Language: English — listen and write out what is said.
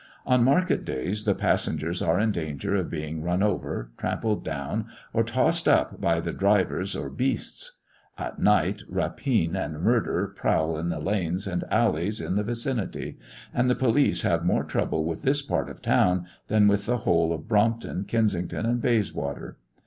On market days the passengers are in danger of being run over, trampled down, or tossed up by the drivers or "beasts"; at night, rapine and murder prowl in the lanes and alleys in the vicinity; and the police have more trouble with this part of the town than with the whole of Brompton, Kensington, and Bayswater.